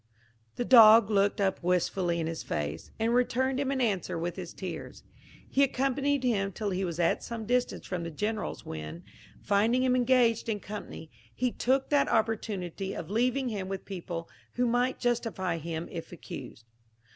The dog looked up wistfully in his face, and returned him an answer with his tears. He accompanied him till he was at some distance from the General's, when, finding him engaged in company, he took that opportunity of leaving him with people who might justify him if accused.